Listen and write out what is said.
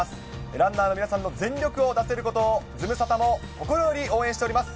ランナーの皆さんの全力を出せることをズムサタも心より応援しております。